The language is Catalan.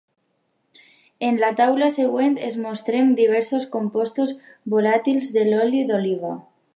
En la taula següent es mostren diversos compostos volàtils de l'oli d'oliva.